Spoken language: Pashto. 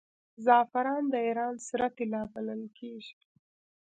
زعفران د ایران سره طلا بلل کیږي.